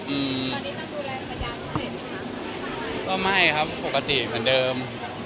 อืมตอนนี้จะดูแลภรรยาพิเศษไหมคะก็ไม่ครับปกติเหมือนเดิม